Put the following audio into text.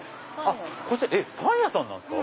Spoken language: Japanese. こちらパン屋さんなんですか？